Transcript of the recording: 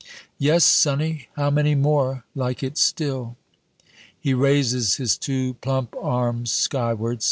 "Yes, sonny; how many more like it still?" He raises his two plump arms skywards.